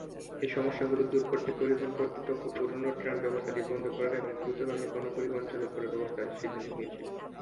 এই সমস্যাগুলো দূর করতে, পরিবহন কর্তৃপক্ষ পুরানো ট্রাম ব্যবস্থাটি বন্ধ করার এবং দ্রুতগামী গণ পরিবহন ব্যবস্থা চালু করার সিদ্ধান্ত নিয়েছিল।